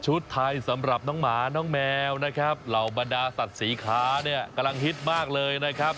ไทยสำหรับน้องหมาน้องแมวนะครับเหล่าบรรดาสัตว์สีค้าเนี่ยกำลังฮิตมากเลยนะครับ